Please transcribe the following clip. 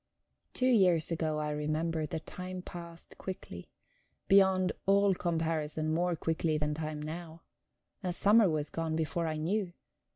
Two years ago, I remember, the time passed quickly beyond all comparison more quickly than time now. A summer was gone before I knew.